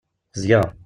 Bezgeɣ.